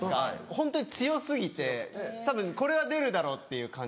ホントに強過ぎてたぶんこれは出るだろうっていう感じ。